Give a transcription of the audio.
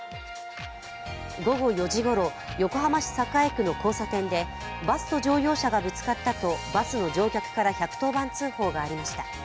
午後４時ごろ、横浜市栄区の交差点でバスと乗用車がぶつかったとバスの乗客から１１０番通報がありました。